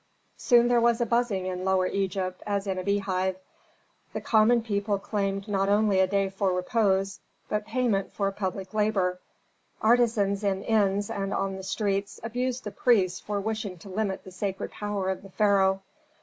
Soon there was a buzzing in Lower Egypt as in a beehive. The common people claimed not only a day for repose, but payment for public labor. Artisans in inns and on the streets abused the priests for wishing to limit the sacred power of the pharaoh.